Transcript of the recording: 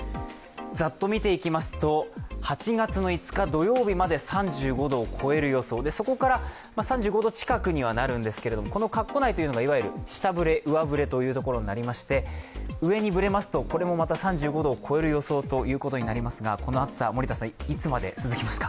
ざっと見ていきますと８月５日土曜日まで３５度を超える予想、そこから３５度近くにはなるんですけれどもこの内というのが下振れ、上振れになりまして上にぶれますと、これもまた３５度を超える予想ということになりますがこの暑さ、いつまで続きますか？